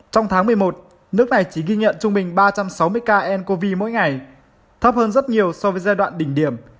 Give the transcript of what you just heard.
trong tháng một mươi một nước này chỉ ghi nhận trung bình ba trăm sáu mươi ca ncov mỗi ngày thấp hơn rất nhiều so với giai đoạn đỉnh điểm